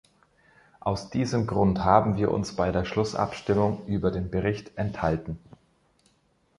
Aus diesem Grund haben wir uns bei der Schlussabstimmung über den Bericht enthalten.